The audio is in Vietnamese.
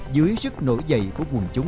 dưới sức nổi dậy của quần chính